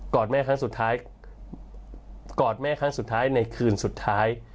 อดแม่ครั้งสุดท้ายกอดแม่ครั้งสุดท้ายในคืนสุดท้าย